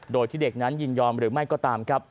โดยที่เด็กนั้นยินยอมหรือไม่ก็ตามครับ